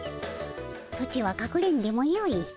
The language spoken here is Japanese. ソチはかくれんでもよい。